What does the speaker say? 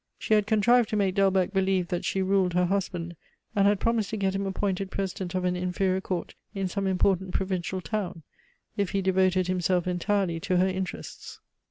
She had contrived to make Delbecq believe that she ruled her husband, and had promised to get him appointed President of an inferior court in some important provincial town, if he devoted himself entirely to her interests.